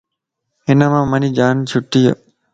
ھن مان مانجي جان چھٽي